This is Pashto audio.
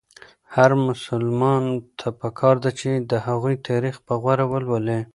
هر مسلمان ته پکار ده چې د هغوی تاریخ په غور ولولي.